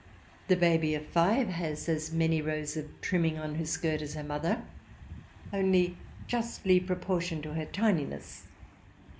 The baby of five has as many rows of trimming on her skirt as her mother, only justly proportioned to her tininess.